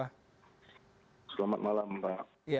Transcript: selamat malam pak